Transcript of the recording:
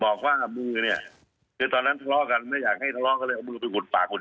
บอกว่ามือเนี่ยคือตอนนั้นทะเลาะกันไม่อยากให้ทะเลาะก็เลยเอามือไปขุดปากขุด